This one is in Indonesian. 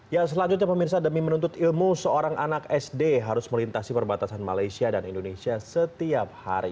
ya selanjutnya pemirsa demi menuntut ilmu seorang anak sd harus melintasi perbatasan malaysia dan indonesia setiap hari